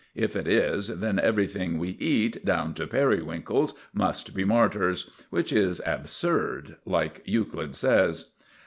If it is, then everything we eat, down to periwinkles, must be martyrs; which is absurd, like Euclid says.